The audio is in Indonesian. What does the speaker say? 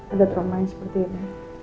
ada trauma yang seperti ini